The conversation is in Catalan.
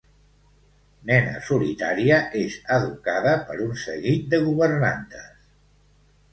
Nena solitària, és educada per un seguit de governantes.